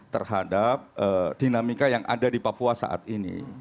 terhadap dinamika yang ada di papua saat ini